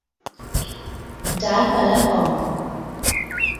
ডালপালা কম।